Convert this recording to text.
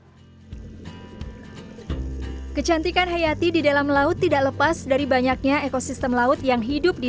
hai kecantikan hayati di dalam laut tidak lepas dari banyaknya ekosistem laut yang hidup di